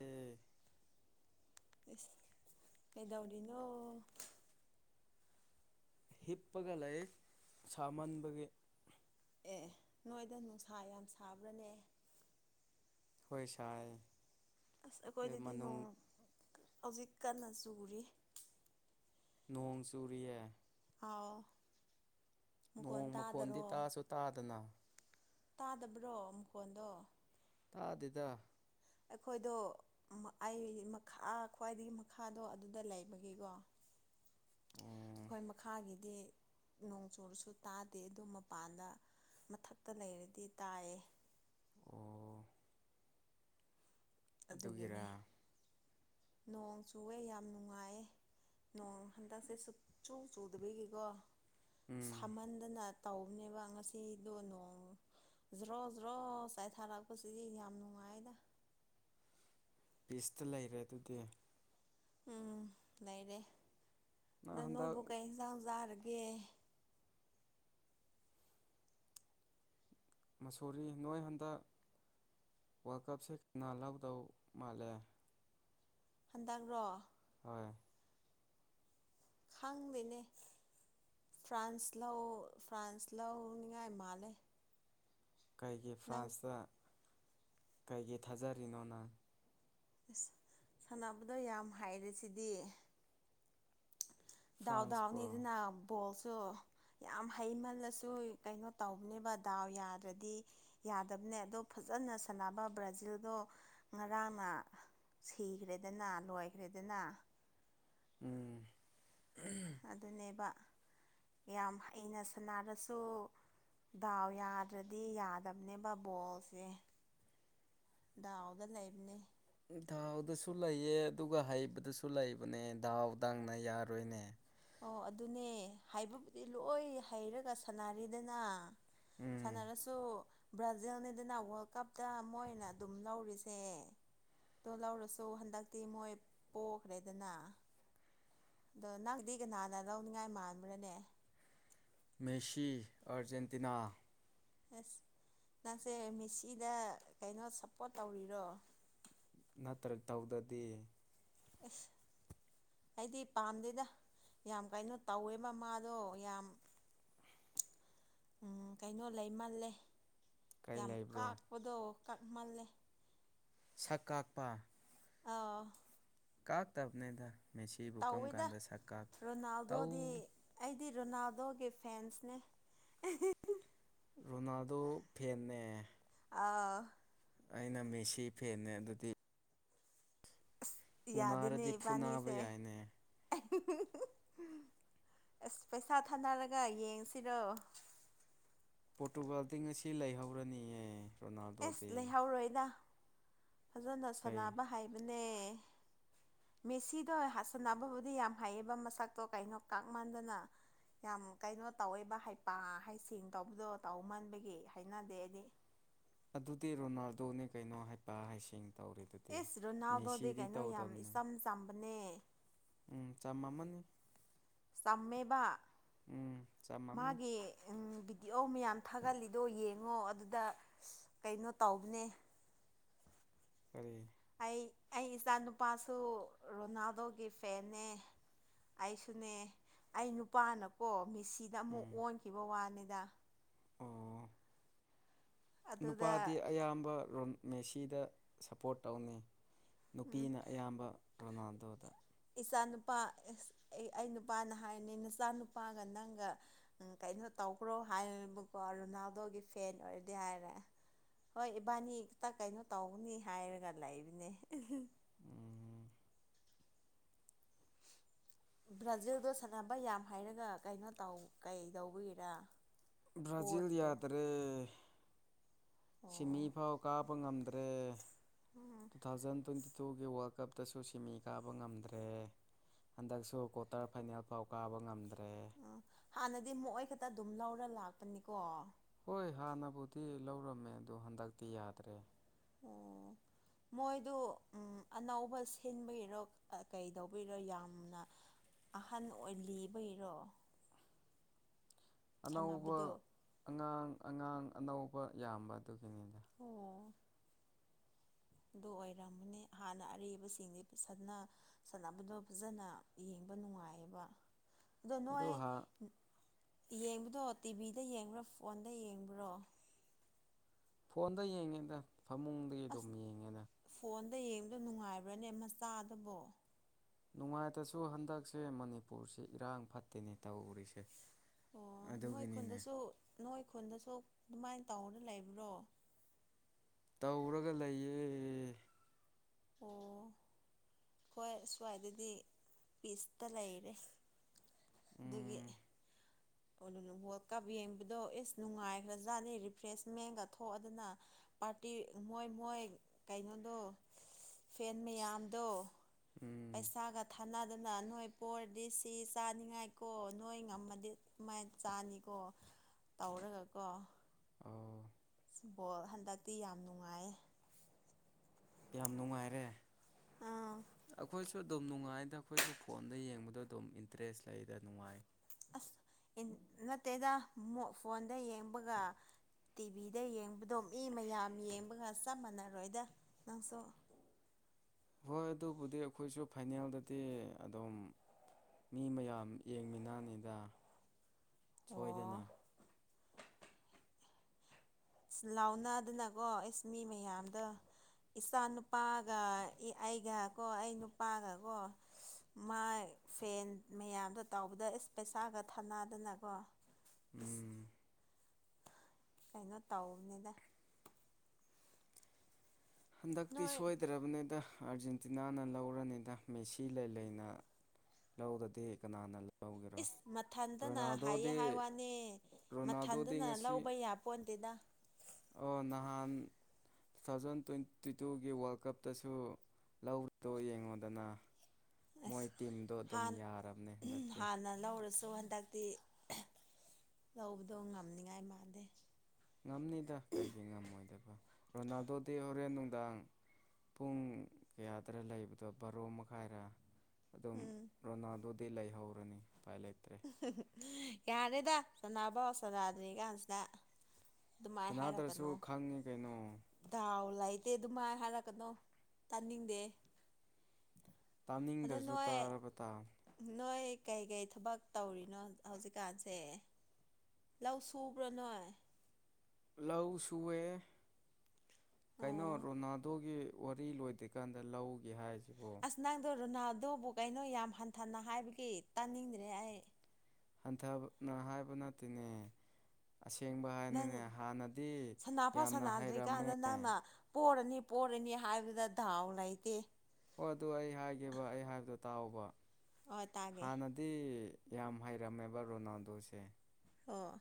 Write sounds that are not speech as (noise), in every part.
ꯎꯝ ꯐꯩꯗꯥꯧꯔꯤꯅꯣ ꯍꯤꯞꯄꯒ ꯂꯩ ꯁꯥꯃꯟꯕꯒꯤ ꯑꯦ ꯅꯣꯏꯗ ꯅꯨꯡꯁꯥ ꯌꯥꯝ ꯁꯥꯕ꯭ꯔꯥꯅꯦ ꯍꯣꯏ ꯁꯥꯏ ꯑꯁ ꯑꯩꯈꯣꯏꯗꯗꯤ ꯃꯅꯨꯡ ꯅꯣꯡ ꯍꯧꯖꯤꯛ ꯀꯟꯅ ꯆꯨꯔꯤ ꯅꯣꯡ ꯆꯨꯔꯤꯌꯦ ꯑꯥꯎ ꯃꯈꯣꯟ ꯅꯣꯡ ꯃꯈꯣꯟꯗꯤ ꯇꯥꯗꯔꯣ ꯇꯥꯁꯨ ꯇꯥꯗꯅ ꯇꯥꯗꯕ꯭ꯔꯣ ꯃꯈꯨꯀꯣꯟꯗꯣ ꯇꯥꯗꯤꯗ ꯑꯩꯈꯣꯏꯗꯣ ꯑꯩ ꯃꯈꯥ ꯈ꯭ꯋꯥꯏꯗꯒꯤ ꯃꯈꯥꯗꯣ ꯑꯗꯨꯗ ꯂꯩꯕꯒꯤꯀꯣ (unintelligible) ꯑꯣ ꯑꯩꯈꯣꯏ ꯃꯈꯥꯒꯤꯗꯤ ꯅꯣꯡ ꯆꯨꯔꯁꯨ ꯇꯥꯗꯦ ꯑꯗꯨ ꯃꯄꯥꯟꯗ ꯃꯊꯛꯇ ꯂꯩꯔꯗꯤ ꯇꯥꯏꯌꯦ ꯑꯣ ꯑꯗꯨꯒꯤꯅꯦ ꯑꯗꯨꯒꯒꯤꯔꯥ ꯅꯣꯡ ꯆꯨꯑꯦ ꯌꯥꯝ ꯅꯨꯡꯉꯥꯏ ꯅꯣꯡ ꯍꯟꯗꯛꯁꯦ ꯁꯨꯛꯆꯨ ꯆꯨꯗꯕꯤꯒꯤꯀꯣ ꯎꯝ ꯁꯥꯍꯟꯗꯅ ꯇꯧꯕꯅꯦꯕ ꯉꯁꯤꯗꯣ ꯅꯣꯡ ꯖ꯭ꯔꯣ ꯖ꯭ꯔꯣ ꯆꯥꯏꯊꯥꯔꯛꯄꯁꯤꯗꯤ ꯌꯥꯝ ꯅꯨꯡꯉꯥꯏꯗ ꯄꯤꯁꯇ ꯂꯩꯔꯦ ꯑꯗꯨꯗꯤ ꯎꯝ ꯂꯩꯔꯦ ꯅꯪ ꯑꯗ ꯍꯟꯗꯛ ꯅꯣꯏꯕꯨ ꯀꯩ ꯌꯦꯟꯖꯥꯡꯖꯥꯔꯒꯦ (inaudible) ꯃꯁꯣꯔꯤ ꯅꯣꯏ ꯍꯟꯗꯛ ꯋꯥꯀꯞꯁꯦ ꯀꯅꯥ ꯂꯧꯥꯎꯗꯧ ꯃꯥꯜꯂꯦ ꯍꯟꯗꯛ꯭ꯔꯣ ꯍꯣꯏ ꯈꯥꯡꯗꯦꯅꯦ ꯐ꯭ꯔꯥꯟꯁ ꯂ ꯐ꯭ꯔꯥꯟꯁ ꯂꯅꯤꯡꯉꯥꯏ ꯃꯥꯂꯦ ꯀꯩꯒꯤ ꯐ꯭ꯔꯥꯟꯁꯇ ꯀꯩꯒꯤ ꯊꯥꯖꯔꯤꯅꯣꯅꯪ ꯁꯥꯟꯅꯕꯗ ꯌꯥꯝ ꯍꯥꯏꯔꯦꯁꯤꯗꯤ ꯐ꯭ꯔꯥꯟꯁꯄꯣ ꯗꯗꯥꯎꯗꯥꯎꯅꯦꯗꯤꯅꯣꯜ ꯁꯨ ꯌꯥꯝ ꯍꯩꯃꯜꯂꯁꯨ ꯀꯩꯅꯣ ꯇꯧꯕꯅꯦꯕ ꯗꯥꯎ ꯌꯥꯗ꯭ꯔꯗꯤ ꯌꯥꯗꯕ ꯅꯦ ꯑꯗꯣ ꯐꯖꯅ ꯁꯥꯟꯅꯕ ꯕ꯭ꯔꯥꯖꯤꯜꯗꯣ ꯉꯔꯥꯡꯅ ꯁꯤꯈ꯭ꯔꯦꯗꯅ ꯂꯣꯏꯈ꯭ꯔꯦꯗꯅ ꯎꯝ ꯑꯗꯨꯅꯦꯕ ꯌꯥꯝ ꯍꯩꯅ ꯁꯅꯔꯁꯨ ꯗꯥꯎ ꯌꯥꯗ꯭ꯔꯗꯤ ꯌꯥꯗꯕꯅꯦꯕ ꯕꯣꯜꯁꯦ ꯗꯥꯎꯗ ꯂꯩꯕꯅꯦ ꯗꯥꯎꯗꯁꯨ ꯂꯩꯌꯦ ꯑꯗꯨꯒ ꯍꯩꯕꯗꯁꯨ ꯂꯩꯕꯅꯦ ꯗꯥꯎ ꯗꯪꯅ ꯌꯥꯔꯣꯏꯅꯦ ꯑꯣ ꯑꯗꯨꯅꯦ ꯍꯥꯏꯕꯕꯨꯗꯤ ꯂꯣꯏ ꯍꯩꯔꯒ ꯁꯅꯔꯤꯗꯅ ꯎꯝ ꯁꯥꯟꯅꯔꯁꯨ ꯕ꯭ꯔꯥꯖꯤꯜꯅꯤꯗꯅ ꯋꯥꯔꯜ ꯀꯞꯇ ꯃꯣꯏꯅ ꯑꯗꯨꯝ ꯂꯧꯔꯤꯁꯦ ꯑꯣ ꯂꯧꯔꯁꯨ ꯍꯟꯗꯛꯇꯤ ꯃꯣꯏ ꯄꯣꯛꯈ꯭ꯔꯦꯗꯅ ꯑꯗꯣ ꯅꯪꯗꯤ ꯀꯅꯥꯅ ꯂꯧꯅꯤꯉꯥꯏ ꯃꯥꯟꯕ꯭ꯔꯥꯅꯦ ꯃꯦꯁꯤ ꯑꯔꯖꯦꯟꯇꯤꯅꯥ ꯑꯁ ꯅꯪꯁꯦ ꯃꯦꯁꯤꯗ ꯀꯩꯅꯣ ꯁꯞꯄꯣꯔꯠ ꯇꯧꯔꯤꯔꯣ ꯅꯠꯇ꯭ꯔ ꯇꯧꯗꯗꯤ ꯏꯁꯁ ꯑꯩꯗꯤ ꯄꯥꯝꯗꯦꯗ ꯌꯥꯝ ꯀꯩꯅꯣ ꯇꯧꯋꯦ ꯃꯃꯥꯗꯣ ꯌꯥꯝ ꯀꯩꯅꯣ ꯂꯩꯃꯜꯂꯦ ꯀꯩ ꯌꯥꯝ ꯂꯩꯕ꯭ꯔꯣ ꯀꯥꯛꯄꯗꯣ ꯀꯞ ꯃꯥꯜꯂꯦ ꯁꯛ ꯀꯥꯛꯄ꯫ ꯑꯥ ꯀꯥꯛꯇꯝꯅꯤꯗ ꯃꯦꯁꯤꯕꯨ ꯀꯝ ꯇꯧꯋꯦꯗ ꯀꯥꯟꯗ ꯁꯛ ꯀꯥ ꯇꯧ꯫ ꯗꯤ ꯔꯣꯅꯥꯜꯗꯣꯒꯤ ꯐꯦꯟꯁꯅꯦ꯫ ꯔꯣꯅꯥꯜꯗꯣ ꯐꯦꯟꯅꯦ꯫ ꯑꯥ꯫ ꯑꯩꯅ ꯃꯦꯁꯤ ꯐꯦꯟꯅꯦ ꯑꯗꯨꯗꯤ꯫ ꯌꯥꯗꯦꯅꯦ ꯎꯅꯥꯔꯗꯤ ꯐꯨꯅꯕ ꯏꯕꯥꯅꯤꯁꯦ ꯌꯥꯏꯅꯦ꯫ ꯑꯁ ꯄꯩꯁꯥ ꯊꯥꯅꯔꯒ ꯌꯦꯡꯁꯤꯔꯣ꯫ ꯄꯣꯔꯇꯨꯒꯥꯜꯗꯤ ꯉꯁꯤ ꯂꯩꯍꯧꯔꯅꯤꯌꯦ꯫ ꯔꯣꯅꯥꯜꯗꯣꯗꯤ ꯑꯦꯁ ꯂꯩꯍꯧꯔꯣꯏꯗ꯫ ꯐꯖꯅ ꯀꯩ ꯁꯥꯟꯅꯕ ꯍꯥꯏꯕꯅꯦ꯫ ꯃꯦꯁꯤꯗꯣ ꯍꯥꯁꯟꯅꯕꯕꯨꯗꯤ ꯌꯥꯝ ꯍꯥꯏꯩꯌꯦꯕ ꯃꯁꯛꯇꯣ ꯀꯩꯅꯣ ꯀꯥꯛꯃꯟꯗꯅ꯫ ꯌꯥꯝ ꯀꯩꯅꯣ ꯇꯧꯋꯦꯕ ꯍꯩꯄꯥ ꯍꯩꯁꯤꯡ ꯇꯧꯕꯗꯣ ꯇꯧꯃꯟꯕꯒꯤ ꯍꯥꯏꯅꯗꯦ ꯑꯩꯗꯤ꯫ ꯑꯗꯨꯗꯤ ꯔꯣꯅꯥꯜꯗꯣꯅꯦ ꯀꯩꯅꯣ ꯍꯥꯏꯕ ꯍꯥꯏꯁꯤꯡ꯫ ꯇꯧꯔꯤ ꯑꯗꯨꯗꯤ ꯏꯁ ꯔꯣꯅꯥꯜꯗꯣꯗꯤ ꯃꯦꯁꯤꯗꯤ ꯀꯩꯅꯣ ꯌꯥꯝ ꯇꯧꯗꯕꯅꯦ꯫ ꯏꯆꯝ ꯆꯝꯕꯅꯦ ꯎꯝ ꯆꯥꯃꯝꯃꯅꯤ꯫ ꯇꯝꯃꯦꯕ ꯆꯥꯝꯃꯝꯅꯤ ꯃꯥꯒꯤ꯫ ꯗꯤꯑꯧ ꯃꯌꯥꯝ ꯊꯥꯒꯠꯂꯤꯗꯣ ꯌꯦꯡꯉꯣ ꯑꯗꯨꯗ ꯀꯩꯅꯣ ꯇꯧꯕꯅꯦ꯫ (unintelligible) ꯑꯩ ꯑꯩ ꯏꯆꯥ ꯅꯨꯨꯄꯥꯁꯨ ꯔꯣꯅꯥꯜꯗꯣꯒꯤ ꯐꯦꯟꯅꯦ꯫ ꯑꯩꯁꯨꯅꯦ꯫ ꯑꯩ ꯅꯨꯄꯥꯅꯀꯣ ꯃꯤꯁꯤꯗ ꯑꯃꯨꯛ ꯎꯝ ꯑꯣꯟꯈꯤꯕ ꯋꯥꯅꯤꯗ꯫ ꯑꯣ ꯑꯗꯨꯗ ꯅꯨꯄꯥꯗꯤ ꯑꯌꯥꯝꯕ ꯃꯦꯁꯤꯗ ꯁꯄꯣꯔꯠ ꯇꯧꯅꯤ꯫ ꯅꯨꯄꯤꯅ ꯑꯌꯥꯝꯕ ꯔꯣꯅꯥꯜꯗꯣꯗ꯫ ꯃꯆꯥꯅꯨꯄꯥ ꯑꯦ ꯑꯩ ꯅꯨꯄꯥꯅ ꯍꯥꯏꯔꯤꯅꯤ ꯅꯆꯥꯅꯨꯄꯥꯒ ꯅꯪꯒ ꯀꯩꯅꯣ ꯇꯧ ꯀ꯭ꯔꯣ ꯍꯥꯏꯕꯀꯣ ꯔꯣꯅꯥꯜꯗꯣꯒꯤ ꯐꯦꯟ ꯑꯣꯏꯔꯗꯤ ꯍꯥꯏꯔꯦ ꯍꯣꯏ ꯏꯕꯥꯅꯤ ꯈꯤꯇ ꯀꯩꯅꯣ ꯇꯧꯅꯤ ꯍꯥꯏꯔꯒ ꯂꯩꯕꯅꯦ꯫ ꯎꯝ (inaudible) ꯕ꯭ꯔꯥꯖꯤꯜꯗꯣ ꯁꯥꯟꯅꯕ ꯌꯥꯝ ꯍꯥꯏꯔꯒ ꯀꯩꯅꯣ ꯇꯧ ꯀꯩꯗꯧꯕꯒꯤꯔ꯫ ꯕ꯭ꯔꯥꯖꯤꯜ ꯌꯥꯗꯔꯦ ꯁꯤꯃꯤ ꯑꯣ ꯐꯥꯎ ꯀꯥꯕ ꯉꯝꯗ꯭ꯔ꯫ ꯇꯨ ꯊꯥꯎꯖꯟ ꯇ꯭ꯋꯦꯟꯇꯨ ꯒꯤ ꯋꯥꯔꯜ ꯀ꯫ ꯠꯇꯁꯨ ꯁꯤꯃꯤ ꯀꯥꯕ ꯉꯝꯗ꯭ꯔꯦ ꯍꯟꯗꯛꯁꯨ ꯀ꯭ꯋꯥꯇꯔ ꯐꯥꯏꯅꯦꯜ ꯐꯥꯎ ꯀꯥꯕ ꯉꯝꯗ꯭ꯔꯦ꯫ ꯎꯝ ꯍꯥꯟꯅꯗꯤ ꯃꯣꯏ ꯈꯛꯇ ꯑꯗꯨꯝ ꯂꯧꯔ ꯂꯥꯛꯄꯅꯤꯀꯣ꯫ ꯍꯣꯏ ꯍꯥꯟꯅꯕꯨꯗꯤ ꯂꯧꯔꯝꯃꯦ ꯑꯣ ꯍꯟꯗꯛꯇꯤ ꯌꯥꯗ꯭ꯔꯦ꯫ ꯑꯣ ꯃꯣꯏꯗꯨ ꯑꯅꯧꯕ ꯁꯤꯟꯕꯤꯔꯣ ꯀꯩꯗꯧꯕꯔꯣ ꯌꯥꯝꯅ꯫ ꯑꯍꯟ ꯑꯣꯏ ꯂꯤꯕꯩꯔꯣ꯫ ꯑꯅꯧꯕ ꯑꯉꯥꯡ ꯑꯉꯥꯡ ꯑꯅꯧꯕ ꯌꯥꯝꯕ ꯑꯗꯨꯒꯤꯅꯤꯅꯦ꯫ ꯑꯣ꯫ ꯑꯗꯨ ꯑꯣꯏꯔꯝꯝꯕꯅꯦ ꯍꯥꯟꯅ ꯑꯔꯕꯁꯤꯡꯗꯤ ꯁꯥꯟꯅꯕꯗꯣ ꯐꯖꯅ ꯌꯦꯡ꯫ ꯅꯨꯡꯉꯥꯏꯌꯦꯕ ꯑꯗꯣ ꯅꯣꯏ꯫ ꯌꯦꯡꯕꯗꯣ ꯇꯤꯚꯤꯗ ꯌꯦꯡꯕ꯭ꯔꯥ ꯐꯣꯟꯗ ꯌꯦꯡꯕ꯭ꯔꯣ꯫ ꯐꯣꯟꯗ ꯌꯦꯡꯉꯦꯅ ꯐꯃꯨꯡꯗꯒꯤ ꯑꯗꯨꯝ ꯌꯦꯡꯉꯦꯅ꯫ ꯑꯝꯇ ꯌꯦꯡꯕꯗꯣ ꯅꯨꯡꯉꯥꯏꯕ꯭ꯔꯅꯦ ꯑꯃ ꯆꯥꯗꯕꯣ ꯅꯨꯡꯉꯥꯏꯇꯁꯨ ꯍꯟꯗꯛꯁꯦ ꯃꯅꯤꯄꯨꯔꯁꯤ ꯏꯔꯥꯡ ꯐꯠꯇꯦꯅꯦ ꯇꯧꯔꯤꯁꯦ꯫ ꯑꯣ ꯅꯣꯏ ꯑꯗꯨꯒꯤꯅꯤꯅꯦ ꯈꯨꯟꯗꯁꯨ꯫ ꯅꯣꯏ ꯈꯨꯟꯗꯁꯨ ꯑꯗꯨꯃꯥꯏꯅ ꯇꯧꯔꯒ ꯂꯩꯕ꯭ꯔꯣ꯫ ꯇꯧꯔꯒ ꯂꯩꯌꯦ꯫ ꯑꯣ ꯍꯣꯏ ꯁ꯭ꯋꯥꯏꯗꯗꯤ ꯄꯤꯁꯇ ꯂꯩꯔꯦ꯫ ꯗꯒꯤ꯫ ꯎꯝ ꯑꯗꯨ ꯍꯣꯠ ꯀꯥꯞ ꯌꯦꯡꯕꯗꯣ ꯑꯦꯁ ꯅꯨꯡꯉꯥꯏꯈ꯭ꯔꯖꯥꯠꯅꯤ ꯔꯤꯐ꯭ꯔꯦꯁꯃꯦꯟꯒ ꯊꯣꯛꯑꯗꯅ꯫ ꯄꯥꯔꯇꯤ ꯃꯣꯏ ꯃꯣꯏ ꯀꯩꯅꯣꯗꯣ ꯐꯦꯟ ꯃꯌꯥꯝꯗꯣ ꯎꯝ ꯄꯩꯁꯥꯒ ꯊꯥꯅꯗꯅ ꯅꯣꯏ ꯄꯔꯗꯤ ꯁꯤ ꯆꯥꯅꯤꯡꯉꯥꯏ ꯀꯣ ꯅꯣꯏ ꯉꯝꯃꯗꯤ ꯑꯗꯨꯃꯥꯏꯅ ꯆꯥꯅꯤꯀꯣ ꯇꯧꯔꯒꯀꯣ ꯑꯣ ꯐꯨꯠꯕꯣꯜ ꯍꯟꯗꯛꯇꯤ ꯌꯥꯝ ꯅꯨꯡꯉꯥꯏ ꯌꯥꯝ ꯅꯨꯡꯉꯥꯏꯔꯦ ꯑꯥ ꯑꯩꯈꯣꯏꯁꯨ ꯑꯗꯨꯝ ꯅꯨꯡꯉꯥꯏꯗ ꯑꯩꯈꯣꯏꯁꯨ ꯐꯣꯟꯗ ꯌꯦꯡꯕꯗꯣ ꯑꯗꯨꯝ ꯏꯟꯇꯔꯦꯁ ꯂꯩꯗ ꯅꯨꯡꯉꯥꯏ (unintelligible) ꯑꯁ ꯅꯠꯇꯦꯗ ꯐꯣꯟꯗ ꯌꯦꯡꯕꯒ ꯇꯤꯚꯤꯗ ꯌꯦꯡꯕꯗꯣ ꯃꯤ ꯃꯌꯥꯝ ꯌꯦꯡꯕꯒ ꯆꯞ ꯃꯥꯟꯅꯔꯣꯏꯗ ꯅꯪꯁꯨ ꯍꯣꯏ ꯑꯗꯨꯕꯨꯗꯤ ꯑꯈꯣꯏꯁꯨ ꯐꯥꯏꯅꯦꯜꯗꯗꯤ ꯑꯗꯨꯝ ꯃꯤ ꯃꯌꯥꯝ ꯌꯦꯡꯃꯤꯟꯅꯅꯤꯗ ꯑꯣ ꯁꯣꯏꯗꯅ ꯂꯥꯎꯅꯗꯅꯀꯣ ꯑꯦꯁ ꯃꯤ ꯃꯌꯥꯝꯗ ꯏꯆꯥ ꯅꯨꯨꯄꯥꯒ ꯑꯩꯒꯀꯣ ꯑꯩ ꯅꯨꯄꯥꯒꯀꯣ ꯃꯥ ꯐꯦꯟ ꯃꯌꯥꯝꯗꯣ ꯇꯥꯎꯕꯗ ꯑꯦꯁ ꯄꯩꯁꯥꯒ ꯊꯥꯅꯗꯅꯀꯣ ꯏꯁ ꯎꯝ ꯀꯩꯅꯣ ꯇꯧꯕꯅꯤꯗ ꯍꯟꯗꯛꯇꯤ ꯅꯣꯏ ꯁꯣꯏꯗ꯭ꯔꯕꯅꯤꯗ ꯑꯥꯔꯖꯦꯟ ꯇꯤꯅꯥꯅ ꯂꯧꯔꯅꯤꯗ ꯃꯦꯁꯤ ꯂꯩ ꯂꯩꯅ ꯂꯧꯔꯗꯤ ꯀꯅꯥꯅ ꯂꯧ ꯏꯁ ꯃꯊꯟꯇꯅ ꯍꯥꯏꯌꯦ ꯍꯥꯏ ꯋꯥꯅꯦ ꯔꯣꯅꯥꯜꯗꯣꯗꯤ ꯃꯊꯟꯗꯅ ꯉꯁꯤ ꯂꯧꯕ ꯌꯥ ꯄꯣꯟ ꯇꯦꯗ ꯑꯣ ꯅꯍꯥꯟ ꯇꯨ ꯊꯥꯎꯖꯟ ꯇ꯭ꯋꯦꯟ ꯇꯤꯇꯨꯒꯤ ꯋꯥꯜ ꯀꯞꯇꯁꯨ ꯂꯧꯗꯣ ꯌꯦꯡꯉꯣꯗꯅ ꯃꯣꯏ ꯑꯁ ꯇꯤꯝꯗꯣ ꯑꯗꯨꯝ ꯍꯥꯟ ꯌꯥꯔꯕꯅꯦ ꯍꯟꯗꯛꯇꯤ ꯍꯥꯟꯅ ꯂꯧꯔꯁꯨ ꯍꯟꯗꯛꯇꯤ ꯂꯧꯕꯗꯣ ꯉꯝꯅꯤꯉꯥꯏ ꯃꯥꯟꯗꯦ ꯉꯝꯅꯤꯗ ꯀꯩꯒꯤ ꯉꯝꯃꯣꯏꯗꯕ ꯔꯣꯅꯥꯜꯗꯣꯗꯤ ꯍꯣꯔꯦꯟ ꯅꯨꯡꯗꯥꯡ ꯄꯨꯡ ꯀꯌꯥꯗꯔ ꯂꯩꯕꯗꯣ ꯕꯥꯔꯣ ꯃꯈꯥꯏꯔ ꯑꯗꯨꯝ ꯎꯝ ꯔꯣꯅꯥꯜꯗꯣꯗꯤ ꯂꯩꯍꯧꯔꯅꯤ ꯎꯄꯥꯏ ꯂꯩꯇ꯭ꯔꯦ ꯌꯥꯔꯦꯗ ꯁꯟꯅꯕꯣ ꯁꯟꯅꯗꯤ ꯀꯁꯤꯗ ꯑꯗꯨꯃꯥꯏ ꯁꯅꯥꯗ꯭ꯔꯁꯨ ꯍꯥꯏꯔꯒꯅꯣ ꯈꯪꯉꯤ ꯀꯩꯅꯣ ꯗꯥꯎ ꯂꯩꯇꯦ ꯗꯨꯃꯥꯏꯅ ꯍꯥꯏꯔꯛꯀꯅꯣ ꯇꯥꯅꯤꯡꯗꯦ ꯑꯗꯨ ꯇꯥꯅꯤꯡꯗ꯭ꯔꯁꯨ ꯅꯣꯏ ꯇꯥꯔꯕ ꯇꯥꯕ ꯅꯣꯏ ꯀꯩ ꯀꯩ ꯊꯕꯛ ꯇꯧꯔꯤꯅꯣ ꯍꯧꯖꯤꯛꯀꯥꯟꯁꯦ ꯂꯧ ꯁꯨꯕ꯭ꯔ ꯅꯣꯏ ꯂꯧ ꯁꯨꯑꯦ ꯀꯩꯅꯣ ꯑꯣ ꯔꯣꯅꯥꯜꯗꯣꯒꯤ ꯋꯥꯔꯤ ꯂꯣꯏꯗ꯭ꯔꯤꯀꯥꯟꯗ ꯂꯧꯒꯏ ꯍꯥꯏꯁꯦ ꯑꯁ ꯅꯪꯗꯣ ꯔꯣꯅꯥꯜꯗꯣꯕꯨ ꯀꯩꯅꯣ ꯌꯥꯝ ꯍꯟꯊꯅ ꯍꯥꯏꯕꯒꯤ ꯇꯥꯅꯤꯡꯗ꯭ꯔꯦ ꯑꯩ ꯍꯟꯊꯅ ꯍꯥꯏꯕ ꯅꯠꯇꯦꯅꯦ ꯑꯁꯦꯡꯕ ꯅꯪ ꯍꯥꯏꯅꯅꯦ ꯍꯥꯟꯅꯗꯤ ꯁꯅꯥ ꯐ ꯌꯥꯝꯅ ꯍꯩꯔꯝꯃꯦ ꯁꯅꯗ꯭ꯔꯤꯀꯥꯟꯗ ꯅꯪꯅ ꯄꯣꯔꯅꯤ ꯄꯣꯔꯅꯤ ꯍꯥꯏꯕꯗ ꯗꯥꯥꯎ ꯂꯩꯇꯦ ꯑꯣ ꯑꯗꯨ ꯑꯩ ꯍꯥꯏꯒꯦꯕ ꯑꯩ ꯍꯥꯏꯕꯗꯣ ꯇꯥꯎꯕ ꯑꯣ ꯇꯥꯒꯦ ꯍꯥꯟꯅꯗꯤ ꯌꯥꯝ ꯍꯩꯔꯝꯃꯦꯕ ꯔꯣꯅꯥꯜꯗꯣꯁꯦ ꯑꯣ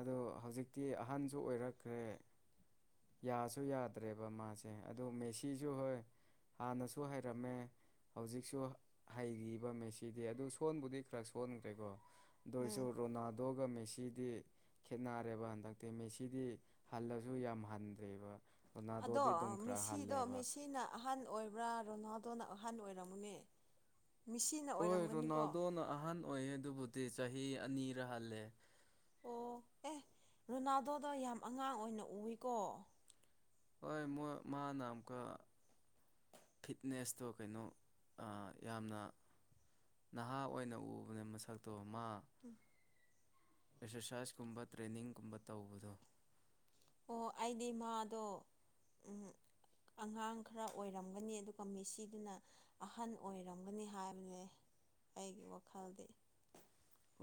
ꯑꯗꯣ ꯍꯧꯖꯤꯛꯇꯤ ꯑꯍꯟꯁꯨ ꯑꯣꯏꯔꯛꯈ꯭ꯔꯦ ꯌꯥꯁꯨ ꯌꯥꯗ꯭ꯔꯦꯕ ꯃꯥꯁꯦ ꯑꯗꯨ ꯃꯦꯁꯤꯁꯨ ꯍꯣꯏ ꯍꯥꯟꯅꯁꯨ ꯍꯩꯔꯝꯃꯦ ꯍꯧꯖꯤꯛꯁꯨ ꯍꯩꯔꯤꯕ ꯃꯦꯁꯤꯗꯤ ꯑꯗꯨ ꯁꯣꯟꯕꯨꯗꯤ ꯈꯔ ꯁꯣꯟꯈ꯭ꯔꯦꯀꯣ ꯑꯗꯨ ꯑꯣꯏꯔꯁꯨ ꯎꯝ ꯔꯣꯅꯥꯜꯗꯣꯒ ꯃꯦꯁꯤꯗꯤ ꯈꯦꯠꯅꯔꯦꯕ ꯍꯟꯗꯛꯇꯤ ꯃꯦꯁꯤꯗꯤ ꯍꯜꯂꯁꯨ ꯌꯥꯝ ꯍꯟꯗ꯭ꯔꯦꯕ ꯑꯗꯣ ꯔꯣꯅꯥꯜꯗꯣꯗꯤ ꯑꯗꯨꯝ ꯈꯔ ꯃꯤꯁꯤꯗꯣ ꯍꯜꯂꯦꯕ ꯃꯦꯁꯤꯅ ꯑꯍꯟ ꯑꯣꯏꯕ꯭ꯔꯥ ꯔꯣꯅꯥꯜ ꯗꯣꯅ ꯑꯍꯟ ꯑꯣꯏꯔꯝꯃꯨꯅꯤ ꯍꯣꯏ ꯔꯣꯅꯥꯜꯗꯣꯅ ꯑꯍꯟ ꯑꯣꯏꯌꯦ ꯑꯗꯨꯕꯨꯗꯤ ꯆꯍꯤ ꯑꯅꯤꯔꯥ ꯍꯜꯂꯦ ꯑꯣ ꯑꯦ ꯔꯣꯅꯥꯜꯗꯣꯗꯣ ꯌꯥꯝ ꯑꯉꯥꯡ ꯑꯣꯏꯅ ꯎꯏꯀꯣ ꯍꯣꯏ ꯃꯣꯏ ꯃꯥꯅ ꯑꯃꯀ ꯐꯤꯠꯅꯦꯁꯇꯣ ꯀꯩꯅꯣ ꯑ ꯌꯥꯝꯅ ꯅꯍꯥ ꯑꯣꯏꯅ ꯎꯕꯅ ꯃꯁꯛꯇꯣ ꯃꯥ (inaudible) ꯑꯦꯛꯁꯔꯁꯥꯏꯁꯀꯨꯝꯕ ꯇ꯭ꯔꯦꯅꯤꯡꯒꯨꯝꯕ ꯇꯧꯕꯗꯣ ꯑꯣ ꯑꯩꯗꯤ ꯃꯥꯗꯣ ꯑꯉꯥꯡ ꯈꯔ ꯑꯣꯏꯔꯝꯒꯅꯤ ꯑꯗꯨꯒ ꯃꯤꯦꯁꯤꯗꯨꯅ ꯑꯍꯟ ꯑꯣꯏꯔꯝꯒꯅꯤ ꯍꯥꯏꯕꯅꯦ ꯑꯩꯒꯤ ꯋꯥꯈꯜꯗꯤ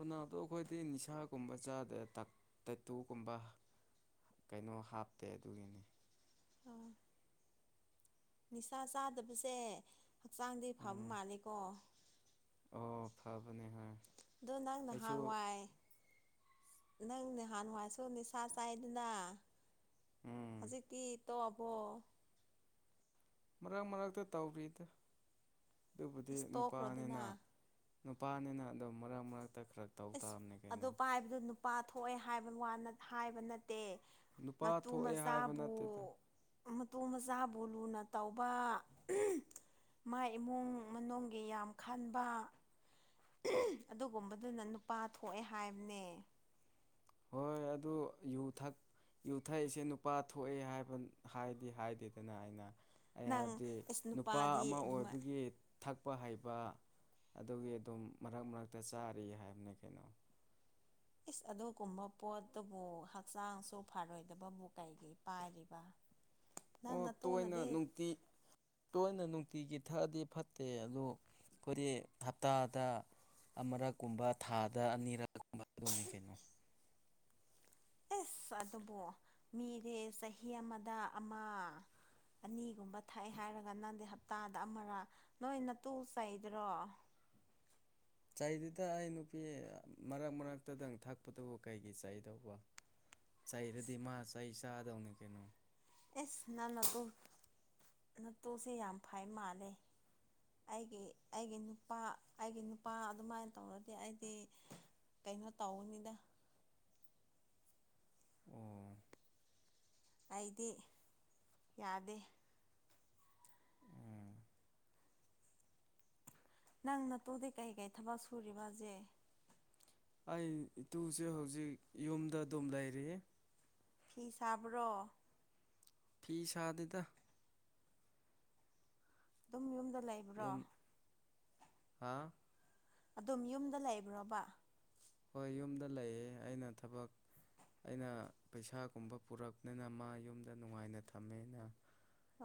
ꯎꯅꯥꯗꯣ ꯑꯩꯈꯣꯏꯗꯤ ꯅꯤꯁꯥꯒꯨꯝꯕ ꯆꯥꯗ꯭ꯔꯦ ꯇꯥꯏꯇꯨꯒꯨꯝꯕ ꯀꯩꯅꯣ ꯍꯥꯞꯇꯦ ꯑꯗꯨꯒꯤꯅꯤ ꯑꯣ ꯅꯤꯁꯥ ꯆꯥꯗꯕꯁꯦ ꯍꯛꯆꯥꯡꯗꯤ ꯐꯕ ꯎꯝ ꯃꯥꯜꯅꯤꯀꯣ ꯑꯣ ꯐꯕ ꯑꯗꯨ ꯅꯪ ꯅꯍꯥꯟꯥꯏ ꯅꯪ ꯅꯍꯥꯟꯋꯥꯏꯁꯨ ꯅꯤꯁꯥ ꯆꯥꯏꯗꯨꯅ ꯎꯝ ꯍꯧꯖꯤꯛꯇꯤ ꯇꯣ ꯑꯕꯣ ꯃꯔꯛ ꯃꯔꯛꯇ ꯇꯧꯔꯤꯗ ꯑꯗꯨꯕꯨꯗꯤ ꯑꯁ ꯇꯣꯛꯈ꯭ꯔꯣꯗꯅ ꯅꯨꯄꯥꯅꯤꯅ ꯅꯨꯄꯥꯅꯤꯅ ꯑꯗꯨꯝ ꯃꯔꯛ ꯃꯔꯛꯇ ꯈꯔ ꯇꯧ ꯇꯥꯕꯅꯦ ꯀꯩꯅꯣ ꯄꯥꯊꯣꯛꯑꯦ ꯍꯥꯏꯕ ꯋꯥꯅ ꯍꯥꯏꯕ ꯅꯠꯇꯦ ꯅꯨꯄꯥ ꯃꯇꯨ ꯊꯣꯛꯑꯦ ꯍꯥꯏꯕ ꯃꯆꯥꯕꯨ ꯅꯠꯇꯦꯗ ꯑꯇꯣ ꯃꯆꯥꯕꯨ ꯂꯨꯅ ꯇꯧꯕ ꯃꯥ ꯏꯃꯨꯡ ꯃꯅꯨꯡꯒꯤ ꯌꯥꯝ ꯈꯟꯕ ꯑꯗꯨꯒꯨꯝꯕꯗꯨꯅ ꯅꯨꯄꯥ ꯊꯣꯛꯑꯦ ꯍꯥꯏꯕꯅꯦ ꯍꯣꯏ ꯑꯗꯨ ꯌꯨ ꯊꯛ ꯌꯨꯊꯛꯏꯁꯦ ꯅꯨꯄꯥ ꯊꯣꯛꯑꯦ ꯍꯥꯏꯕ ꯍꯥꯏꯗꯤ ꯍꯥꯏꯗꯦꯗꯅ ꯑꯩꯅ ꯑꯩ ꯅꯪ ꯍꯥꯏꯕꯗꯤ ꯑꯦꯁ ꯅꯨꯄꯥ ꯅꯨꯄꯥꯗꯤ ꯑꯃ ꯑꯗꯨꯃꯥꯏ ꯑꯣꯏꯕꯒꯤ ꯊꯛꯄ ꯍꯩꯕ ꯑꯗꯨꯒꯤ ꯑꯗꯨꯝ ꯃꯔꯛ ꯃꯔꯛꯇ ꯆꯥꯔꯤ ꯍꯥꯏꯕꯅꯤ ꯀꯩꯅꯣ ꯏꯁ ꯑꯗꯨꯒꯨꯝꯕ ꯄꯣꯠꯇꯨꯕꯨ ꯍꯛꯆꯥꯡꯁꯨ ꯐꯔꯣꯏꯗꯕꯕꯨ ꯀꯩꯒꯤ ꯄꯥꯏꯔꯤꯕ ꯅꯪ ꯑꯣ ꯇꯣꯏꯅ ꯅꯇꯨꯅꯗꯤ ꯅꯨꯡꯇꯤ ꯇꯣꯏꯅ ꯅꯨꯡꯇ ꯁꯛꯇꯤꯒꯤ ꯊꯛꯑꯗꯤ ꯐꯠꯇꯦ ꯑꯗꯨ ꯑꯩꯈꯣꯏꯗꯤ ꯍꯞꯇꯥꯗ ꯑꯃꯔꯛ ꯀꯨꯝꯕ ꯊꯥꯗ ꯑꯅꯤꯔꯛ ꯀꯨꯝꯕ ꯑꯗꯨꯅꯤ ꯀꯩꯅꯣ ꯑꯦꯁ ꯑꯗꯨꯕꯨꯣ ꯃꯤꯗꯤ ꯆꯍꯤ ꯑꯃꯗ ꯑꯃ ꯑꯅꯤꯒꯨꯝꯕ ꯊꯛꯑꯦ ꯍꯥꯏꯔꯒ ꯅꯪꯗꯤ ꯍꯞꯇꯥꯗ ꯑꯃꯔꯥ ꯅꯣꯏꯅ ꯇꯨ ꯆꯩꯗ꯭ꯔꯣ (unintelligible) ꯆꯩꯗꯨꯗ ꯑꯩ ꯅꯨꯄꯤ ꯃꯔꯛ ꯃꯔꯛꯇꯗꯪ ꯊꯛꯄꯇꯕꯨ ꯀꯩꯒꯤ ꯆꯩꯗꯧꯕ ꯆꯩꯔꯗꯤ ꯃꯥ ꯆꯩ ꯆꯥꯗꯧꯅꯦ ꯀꯩꯅꯣ ꯑꯦꯁ ꯅ ꯅꯇꯨ ꯅꯠꯇꯨꯁꯦ ꯌꯥꯝ ꯐꯥꯏ ꯃꯥꯜꯂꯦ ꯑꯩꯒꯤ ꯑꯩꯒꯤ ꯅꯨꯄꯥ ꯑꯩꯒꯤ ꯅꯨꯄꯥ ꯑꯗꯨꯃꯥꯏꯅ ꯇꯧꯔꯗꯤ ꯑꯩꯗꯤ ꯀꯩꯅꯣ ꯇꯧꯅꯤꯗ ꯑꯣ ꯑꯩꯗꯤ ꯌꯥꯗꯦ ꯅꯪ ꯅꯠꯇꯣꯗꯤ ꯀꯩꯀꯩ ꯊꯕꯛ ꯁꯨꯔꯤꯕꯁꯦ ꯑꯩ ꯏꯇꯨꯁꯦ ꯍꯧꯖꯤꯛ ꯌꯨꯝꯗ ꯑꯗꯨꯝ ꯂꯩꯔꯤ ꯐꯤ ꯁꯥꯕ꯭ꯔꯣ ꯐꯤ ꯁꯥꯗꯦꯗ ꯑꯗꯨꯝ ꯌꯨꯝꯗ ꯂꯩꯕ꯭ꯔꯣ ꯌꯨꯝ ꯍꯥ ꯑꯗꯨꯝ ꯌꯨꯝꯗ ꯂꯩꯕ꯭ꯔꯣꯕ ꯍꯣꯏ ꯌꯨꯝꯗ ꯂꯩꯌꯦ ꯑꯩꯅ ꯊꯕꯛ ꯑꯩꯅ ꯄꯩꯁꯥꯒꯨꯝꯕ ꯄꯨꯔꯛꯅꯤꯅ ꯃꯥ ꯌꯨꯝꯗ ꯅꯨꯡꯉꯥꯏꯅ ꯊꯝꯃꯦ ꯑꯅ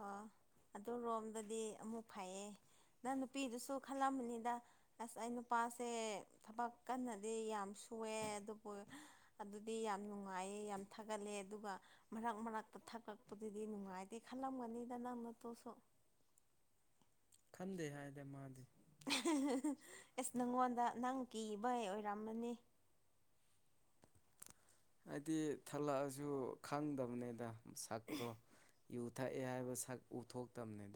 ꯑꯣ ꯑꯗꯨ ꯔꯣꯝꯗꯗꯤ ꯑꯃꯨꯛ ꯐꯩꯌꯦ ꯅꯪ ꯅꯨꯄꯤꯗꯨꯁꯨ ꯈꯜꯂꯝꯕꯅꯤꯗ ꯑꯁ ꯑꯩ ꯅꯨꯄꯥꯁꯦ ꯊꯕꯛ ꯀꯟꯅꯗꯤ ꯌꯥꯝ ꯁꯨꯑꯦ ꯑꯗꯨꯕꯨ ꯑꯗꯨꯗꯤ ꯌꯥꯝ ꯅꯨꯡꯉꯥꯏꯌꯦ ꯌꯥꯝ ꯊꯥꯒꯠꯂꯦ ꯑꯗꯨꯒ ꯃꯔꯛ ꯃꯔꯛꯇ ꯊꯛ ꯀꯛꯄꯗꯨꯗꯤ ꯅꯨꯡꯉꯥꯏꯇꯦ ꯈꯜꯂꯝꯒꯅꯤꯗꯅ ꯃꯇꯨꯁꯨ ꯈꯟꯗꯦ ꯍꯥꯏꯗꯦ ꯃꯥꯗꯤ ꯑꯦꯁ ꯅꯪꯉꯣꯟꯗ ꯅꯪ ꯀꯤꯕ ꯑꯣꯏꯔꯝꯃꯅꯤ ꯍꯥꯏꯗꯤ ꯊꯜꯂꯛꯑꯁꯨ ꯈꯪꯗꯕꯅꯤꯗ ꯁꯛꯇꯣ ꯌꯨ ꯊꯛꯑꯦ ꯍꯥꯏꯕ ꯁꯛ ꯎꯊꯣꯛꯇꯝꯅꯤꯗ